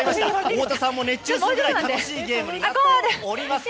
太田さんも熱中するぐらい楽しいゲームになっております。